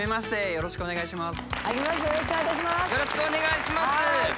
よろしくお願いします。